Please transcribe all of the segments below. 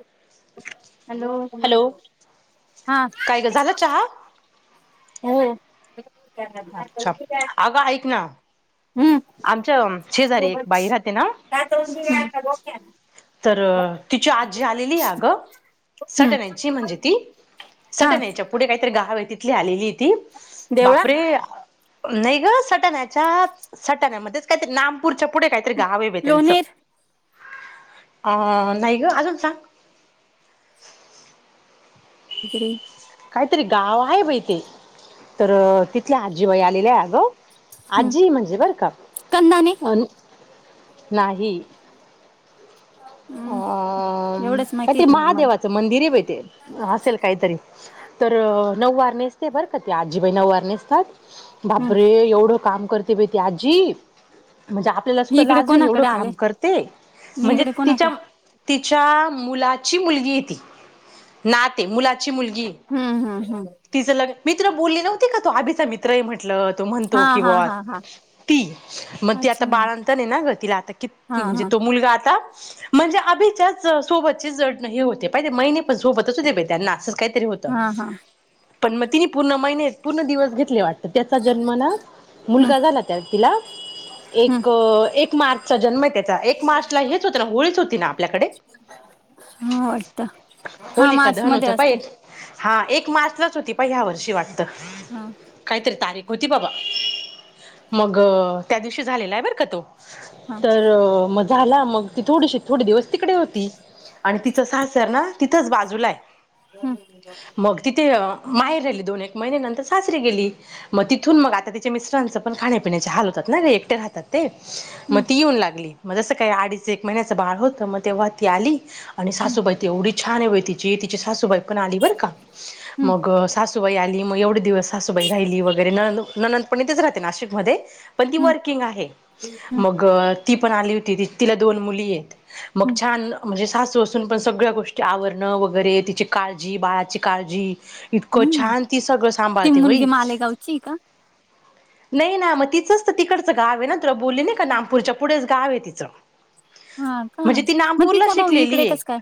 [inaudible] Hello hello हां काय ग झाला चहा? [unintelligible] हो [unintelligible] अगं ऐक ना - हम्म आमच्या शेजारी एक बाई राहते ना - तर तिची आजी आलेली आहे अग - हम्म सटनायची म्हणजे ती हा सटनायच्या पुढे काहीतरी गावे तिथली - आलेली ती देवळा बापरे - नाही ग सटण्याच्या सटण्यामध्येच काय ते नामपूरच्या पुढे काय - गाव आहे बाई त्यांच - लोणेर अ नाही ग अजून सांग - इकडं ये - काहीतरी गाव आहे बाई ते - तर तिथल्या आजीबाई आलेल्या अगं हम्म आजी म्हणजे बर का! कंदाने अन नाही. अ हम्म एवढेच का ते माहितीत मग मला महादेवाचं मंदिर आहे बाई ते हसेल काहीतरी - तर नऊवार नेसते बरं का ते आजीबाई नऊवार नेसतात. हम्म बापरे एवढं काम करते बाई ती आजी - म्हणजे आपल्याला मी सुद्धा इकडे लाजेल एवढं कोणाकडे आले काम करते मी म्हणजे इकडे तिच्या कोणाकडे - [inaudible] तिच्या मुलाची मुलगी य ती नाते मुलाची मुलगी [inaudible] हम्म हम्म हम्म [inaudible] मित्र बोलले नव्हती का तो आभीचा मित्रही म्हटल [inaudible] हा म्हणतो हा क हा हा त आ अच्छा बा तलाण हा हा [inaudible] तो मुलगा आता [inaudible] म्हणजे अभीच्याच सोबतची जड नाही होते पाहिे महिने पण सोबतच त्यांना असच का [inaudible] होत हा हा पण मतीनी पूर्ण महिनेत [inaudible] पुूर्ण दिवस घेतले वाटत त्याचा जन्म ना हम्म मुलगा झाला त्या तिला [inaudible] हम्म एक एक मार्चचा जन्म आहे त्याचा एक मार्चला हेच होत ना होळीच होती ना आपल्याकडे [inaudible] हा वाटत हा होलिका मार्च दहन मध्ये होतं असते [inaudible] हा एक मार्चलाच होती प ह्या वर्षी वाटत हा काहीतरी तारीख [inaudible] गोती बाबा मग त्या दिवशी झालेला आहे बरं का तो हा [inaudible] तर मग झाला मग ती थोडीशी थोडे दिवस तिकडे होती [inaudible] आणि तिचं सासर ना तिथंच बाजूला आहे [inaudible] हम [inaudible] मग तिथे [inaudible] माहेर राहिली दोन एक महिन्यानंतर सासरी गेली मग तिथून मग आता तिच्या मिस्ट्रांचं पण खाण्यापिण्याचे हाल होत [inaudible] ना रिएक्टर राहतात ते [inaudible] मग हम्म ती येऊन लागली मग जसं काय अडीच एक महिन्याचं बाळ होत मग तेव्हा ती आली [inaudible] आणि हम्म सासूबाई त एवढी छान आहे व तिची तिची सासूबाई पण [inaudible] हम्म मग [inaudible] सुबाई आली मग एवढे दिवस हा सुबाई राहिली वगैरे न ननंदपणी तेच राहते नाशिकमध्ये [inaudible] पण ती हम्म वर्किंग आहे हम्म मग ती पण आली होती तिला दोन मुली आहेत [inaudible] मग हम्म छान म्हणजे सासू असून पण सगळ्या गोष्टी आवरणं वगैरे तिची काळजी बाळा [inaudible] सत श्री अ काळ जी [inaudible] इतकं हम्म छान ती सगळं ती सांभाळते मुलगी भाई मालेगावची का [inaudible] नाही ना मग तिचंच तर तिकडचं गाव आहे ना तुला बोलली नाही का नामपूरच्या पुढेच गाव आहे तिचं हा का [inaudible] म्हणजे ती मग नामपूरला तिचा भाऊ इकडे शिकलेली आहे कस काय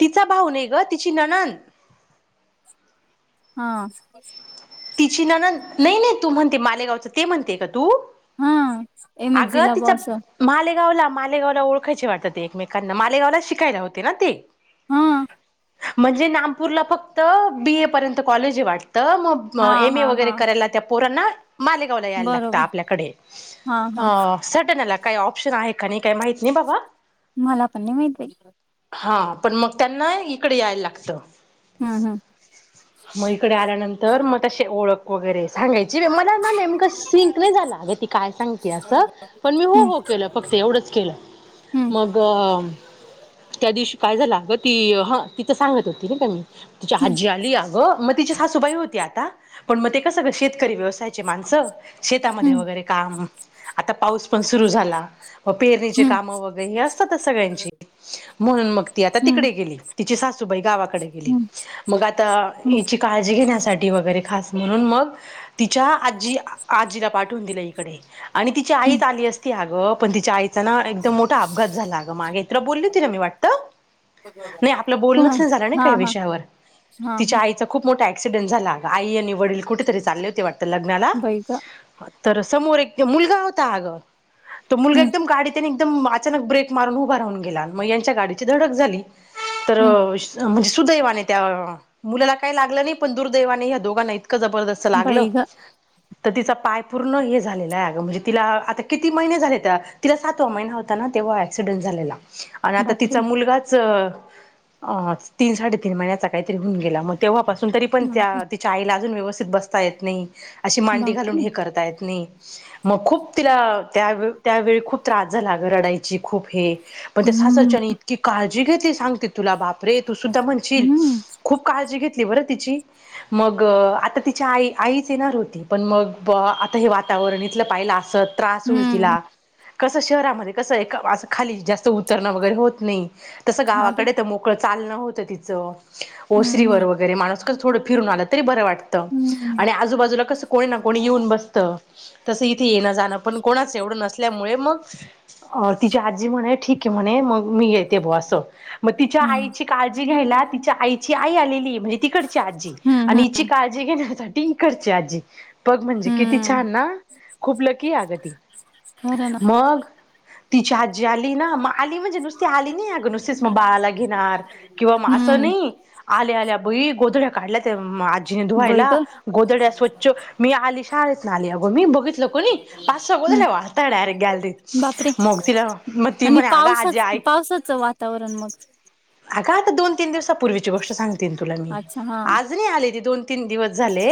त [inaudible] तिचा भाऊ नाही ग तिची नणन [inaudible] हा [inaudible] तिची ना नाही नाही तू म्हणते मालेगावचं ते म्हणते का तू [inaudible] हा एम [inaudible] एस जी अगं ला तिच्या बॉस मालेगावला मालेगावला ओळखायचे वाटतते ते एकमेकांना मालेगावला शिकायला होते ना ते [inaudible] [inaudible] हा [inaudible] म्हणजे नामपूरला फक्त बी ए पर्यंत कॉलेज वाटते [inaudible] तर हा मग एम ए हा वगैरे हा करायला त्या पोरांनाक [inaudible] मालेगावला यायला लागत बरोबर आपल्याकडे हा हा अ सटना लाग [inaudible] काही ऑप्शन आहे का नाही काही माहित नाही बाबा [inaudible] मला पण नाही माहित आहे [inaudible] हा पण मग त्यांना इकडे यायला लागतं हम्म [inaudible] मग इकडे आल्यानंतर मग तसे ओळख [inaudible] वगैरे सांगायची मला ना नेमकं सिंक नाही झाला अ ती काय सांग [inaudible] पण मी हो हम्म हो केलं फक्त एवढंच केलं हम्म मग [inaudible] त्या दिवशी काय झाला ग ती ह तिचं सांगत होती ना त्यां म [inaudible] तिच्या हम्म आजी आली अ गं मग तिची सासूबाई होती आता पण मग ते कसं ग श [inaudible] शेतकरी व्यवसायाचे माणस शेतामध्ये हम्म वगैरे काम आता पाऊस पण सुरू झाला [inaudible] पेरणीचे हम्म काम वगैरे हे असतातच सगळ्यांची म्हणून मग ती आता हम्म तिकडे गेली तिची सासू [inaudible] गावाकडे गेली हम्म मग आता हम्म हची काळजी घेण्यासाठी वगरे खास म्हणून मग तिच्या आजी आजीला पाठवून दिलं इकडे आणि तिची हम्म आईच आली असती अगं, पण तिच्या आई.. ना एकदम मोठा अपघात झाला अगं मागे इत्र बोलली होती ना मी वाटत? नाही आपलं बोलणच कोण नाही झालं ना हा काही हा विषयावर हा तिच्या हा आईच खूप मोठं.. ‌. क्सिडेंट झाला आई आणि वडील कुठेतरी चालले होते वाटत लग्नाला, बाई ग तर समोर एक... मुलगा होता अगं, तो मुलगा हम्म एकदम गाडी त्यानी.. अचानक ब्रेक मारून उभ राून गेला मच्या गाडीची धडक झाली. तर.. हम्म सुदैवाने त्या मुलाला काय लागलं नाही. पण, दुर्दैवाने या्या दोघां नाहीत.. इत जबरदस्त लागलं बाई ग तर तिचा पाय पूर्ण हे झालेला आहे. म्हणजे तिला आता किती महिने झाले? तिला सातवा महिना होता ना तेव्हा ऍक्सिडेंट झाला. आणि आता बापरे तिचा मुलगाच.. अ तीन साडेतीीन महिन्याचा काहीतरी होऊन गेला. मग तेव्हापास.. ून तरी पण त्या बापरे तिच्या आईला अजून व्यवस्थित बसता येत नाही. अशी मांडी घालून बापरे हे करता येत नाही. मग खूप तिला त्यावे त्यावेळी खूप त्रास झाला ग रडायची खूप हे.. पण त्या हम्म सासरच्यानी इतकी काळजी घेतली सांगते तुला बापरे! तू सुा म्हणशील, हम्म खूप काळजी घ.. त मग आ ति आई आईच येणार होती पण मग आ हे वातावर.. त पाहिलं अस त्रास होईल हम्म तिला. कसं शहरामध्ये कसं ए असं खाली जास्त उतरणं वगैरे होत नाही तसं हा बाई गावाकडे तर मोकळ. चालणं होतं तिचं, हम्म ओसरीवर, वगैरे माणूसकर थोडं फिरून आला तरी बरं वाटत. हम्म हम्म आणि आजूबाजूला कसं कोणी ना कोणी येऊन बसत. तसं इथे येणं जाणं पण कोणाच एवढं नसल्यामुळे मग.. अ तिची आजी म्हणे ठीक आहे, म्हणे मग.. मी येते ब अस मग तिच्या, हम्म आईची काळजी घ्यायला, तिच्या आईची आई आलेली. म्हणजे ती करची आजी, हम्म आणििची काळजी घेण्यासाठी करची आजी. पग म्हणजे किती? छान हम्म ना खूप लकी अगं ती. खरं ना मग.. तिच्या आजी आली ना.. आली म्हणजे नुसती आली नाही अगं, नुसतीच मग बाळाला घेणार किंवा मग असं हम्म नाही आल्या आल्या ब.. गोधड्या काढल्या आजी बाई ुवायला ग गोधड्या स्वच्छ मी आली.. हत नाली अ ग म ब.. हम्म पाडायरे बापरे मग त.. आणि पावसाच पावसाचं वातावरण मग. अगा आता दोन तीन दिवसा पूर्वीची गोष्ट सांगते तुला मी, अच्छा हा आज नाही आले ती दोन.. तीन दिवस झाले,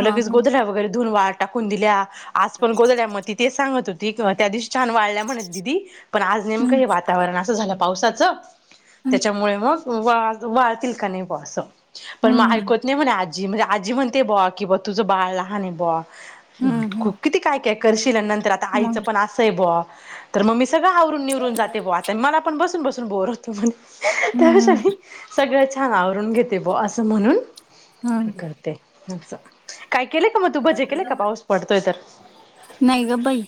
हा हा गोधरा वगैरे धुन वाळ टाकून दिल्या.. आज पण बोलल्या, मग ति तेच सांगत होती त्या दिशी.. छान वाढल्या म्हणत दिदी, पण आज नेमकं हम्म हे वातावरण असं झालं पावसाचं.. हम्म त्याच्यामुळे मग वा वाळतील का नाही वा असं? पण मग हम्म ऐकत नाही म्हणे.. ी म्हणजे आजी म्हणते ब कि बा तुझं बाळ लान आहे. ब हम्म हम्म किती काय?.. शील नंतर आता आईचं मग पण असंय ब तर मग मी सगळं आवरून निवरून जाते ब मला पण बस.. ून बसून बोर होतो म्हणे. त्यावेष, हम्म सगळं छान आवरून घेते बो असं म्हणून.. हम्म करते अस.. काय केले का मग तू बजे केले का पाऊस पडतोय तर? नाही ग बाई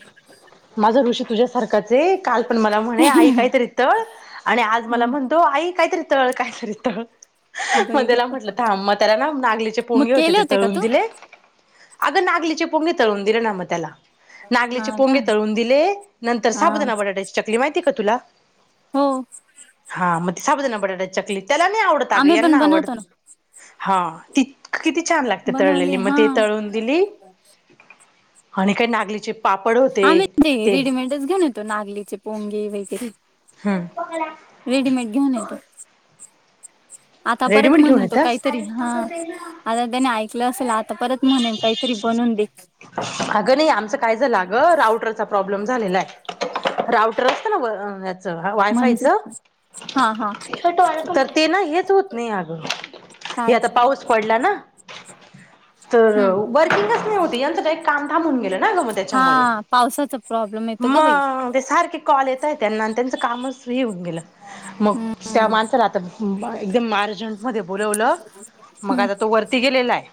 माझ ऋषी.. सार काल पण मला म्हणे, आई काहीतरी तळ आणि आज मला म्हण.. हम्म हो आई काहीतरी तळ काय तरी तळ. मग बाई ग त्याला म्हटलं थां मग त्याला ना, नागलीचे मग पोंगे होते केले ते का तळून तू दिले. अगं नागलीचे पोंगे तळवून दिले ना मग त्याला. हा नागलीचे का पोंगे तळून दिले. नंतर, हा साबुदाणा बटाट्याची चकली माहिती का तुला? हो. बटाट चकली त्याला नाही आम्ही पण आवडतना आवडत. बनवतो ना ह कि.. छान लागते बनवले तळलेली मग हा ते तळून दिली. आणि काय नागलीची.. आम्ही ते रेडीमेडच घेऊन येतो नागलीचे पोंगे वगैरे. हम्म रेडीमेड घेऊन येतो. आता परत रेडीमेड घेऊन म्हणेल तो येतास? काहीतरी हा आता त्याने ऐकलं असेल आता परत म्हणेल काहीतरी. बनवून दे. अगं नाही आमचं काय ज लाग राऊटरचा प्रॉब्ले लेम झालेला हाय, राऊंटर असत ना वार वायफायच, म्हणजे हा हा तर ते ना हेच होत नाही अग, हे काय आता पाऊस पडला ना. तर हम्म वर्किंगच नाही होतय, यांच डायरेक्ट काम थांबून गेलं ना ग म हा त्याच्यामुळे. पावसाचा प्रॉब्लेम येतो ग बाई मग ते सारखे कॉल येतय त्यांना आणि त्यांचं कामच हे होऊन गेलं. मग हम्म त्या माणसाला आता एकदम मर्जंटमध्ये. बोलवलं मग हम्म आता तो वरती गेलेला आहे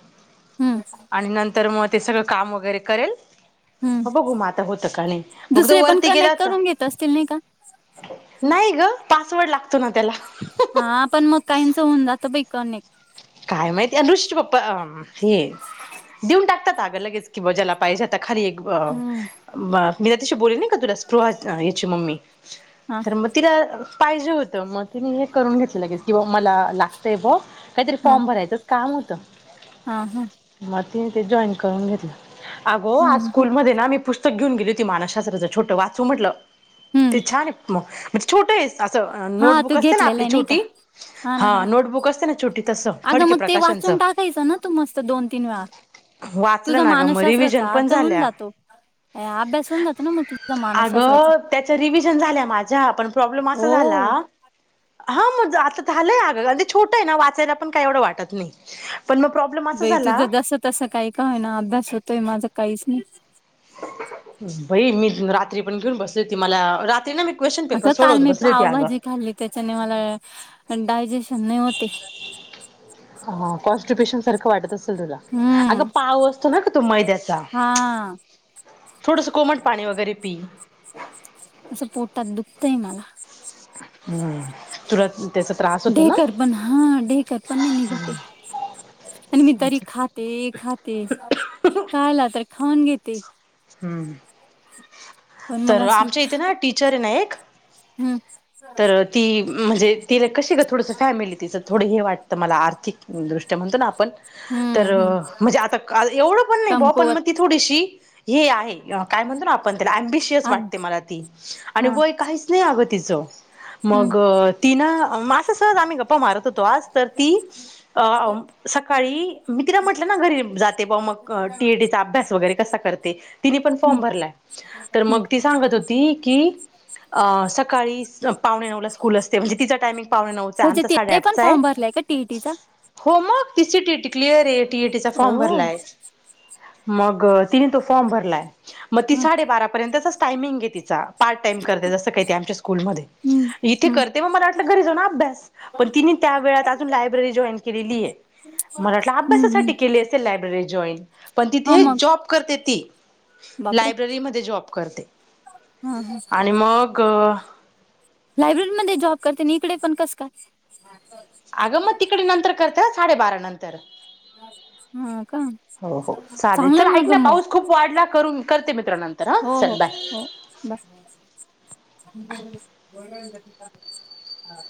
हम्म आणि नंतर मग ते सगळं काम वगैरे करेल, हम्म बघू म आता होतं का नाही. मग तो दुसरे पण वरती गेला कनेक्ट होता. करून घेत असतील नाही का? नाही ग पासवर्ड लागतो ना त्याला. हा पण मग काहीच होऊन जातं बाई कनेक्ट. काय माहिती अनुशचे पप्पा अम हे. देऊन टाकतातग आग लगेच की बा जाला पाहिजे आता खाली एक, अ हम्म मग मी त्याच्याशी बोलली नाही का तुला स्पृहा, याची मम्मी. हा तर मग तिला पाहिजे होतं मग तिने हे करून घेतलंगेल की बा मला लागतंय बा. हा फॉर्म भरायचंच काम होतं. हा हम. जॉन करून घेतल, आग आज हम्म स्कूल हम्म मधे ना मी पूस पुस्तक घेऊन गेली होती मानास शास्त्राचं छोट वाचू म्हटलं, ते हम्म. छान आहे मग म्हणजे छोटं आहे. असं अ हा तू नोटबुक असते ना घेतलेला आपली आहे नाही का छोटी हा नोटबुक असते ना छोटी तस. अगं मग ते वाचून टाकायचं ना तू मस्त दोन तीन वेळा. वाचलं तुझा ना ग म रिव्हजन मानसशास्त्राचा पण अर्थ होऊन झाल्या. जातो. अभ्यास होऊन जातो ना मग तुझा अग मानसशास्त्राचा त्याच्या रिव्हजन झाल्या माझ्या पण प्रॉब्लेम अस झा ला. हो हा मग आता झालंय आग आणि ते छोटं आहे ना वाचायला पण काही एवढं वाटत नाही. पण मग प्रॉब्लेम असा बाई झाला तुझं जस तसं काही का होईना अभ्यास होतोय माझं काहीच नाही. बाई मी रात्री पण घेऊन बसलीती मला रात असं काल मी पावभाजी खाल्ली त्याच्याने मला, डायजेशन नाही होते. हा कॉन्स्टेपेशन सारखं वाटत आस तुला. अग हम्म पाऊ असतो ना गतो मैद्याचा. हा थोडस कोमट पाणी वगैरे पी असं पोटात दुखतय मला. हम्म. तुला त्याचा त्रास होतो ना? डेकर पण हा डेकर पण नाही निघतं ये. आणि मी तरी अच्छा. खाते खाते, खयला तर खाऊन घेते. हम्म. पण मग तर असं आमच्या इथे ना टीचर आहे ना एक. हम्म तर ती म्हणजे तिला कशीग थोडस फॅमिली तिचं थोडं हे वाटतं मला आर्थिक दृष्टया, म्हणतो ना आपण हम्म तर हम्म म्हणजे आता एवढं पण नाही पण कमकुवत मग ती थोडीशी हे आहे काय म्हणतो ना आपण त्याला अम्बिशियस आ वाटते मला ती आणि हा वय काहीच नाही अगत ती तिचा. हम्म मग तिना मा आस सहज आम्ही गप्पा मारत तो आज, तर ती अम सकाळी मी तिला म्हटलं ना घरी जाते बा मग. टीएडीचा अभ्यास वगैरे कसा करते तिने पण हम्म फॉर्म भरला तर हम्म मग ती सांगत होती की, अ सकाळी पावणे नऊला स्कूल असते म्हणजे तिचा टायमिंग पावणे नऊचा हाय म्हणजे आमचा तिथे पण साडेआठचा आहे फॉर्म भरलाय का टीईटीचा हो मग ती सीटीटी क्लिअर ए. टीएटी चा ओ फॉर्म भरला आहे. मग तिने तो फॉर्म भरलाय मग ती हम्म साडेबारापर्यंतचाच टायमिंग आहेे तिचा पार्ट टाइम करते जसं काय ते आमच्या स्कूलमध्ये हम्म इथे हम्म करते म मला वाटलं घरी जाऊ ना अभ्यास पण तिने त्या वेळात अजून लायब्ररी जॉईन केलेली आहे मराठ हम्म अभ्यासासाठी केली असेल लायब्ररी जॉईन पण हा तिथे मग जॉब करते ती बापरे लायब्ररीमध्ये जॉब करते हा हा आणि मग लायब्ररीमध्येध्ये जॉब करते ना इकडे पण कस का अगं मग तिकडे नंतर करते साडेबारा नंतर हा का हो हो चालेल चल चांगलं ऐक ग ना मग पाऊस खूप वाढला करून करते मित्र नंतर हा हो हो चल बाय हो बाय हा